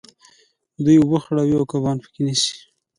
دوی اوبه خړوي او کبان په کې نیسي.